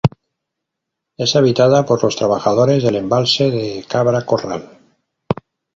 Es habitada por los trabajadores del Embalse de Cabra Corral.